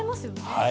はい。